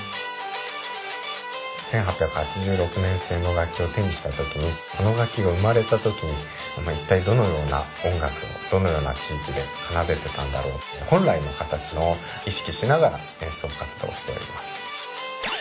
１８８６年製の楽器を手にした時にこの楽器が生まれた時に一体どのような音楽をどのような地域で奏でてたんだろうって本来の形を意識しながら演奏活動をしております。